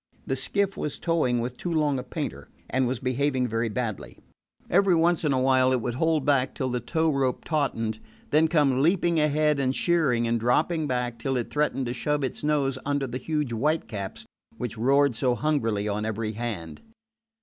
The skiff was towing with too long a painter, and was behaving very badly. Every once in a while it would hold back till the tow rope tautened, then come leaping ahead and sheering and dropping slack till it threatened to shove its nose under the huge whitecaps which roared so hungrily on every hand.